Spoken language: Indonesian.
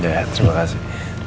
ya terima kasih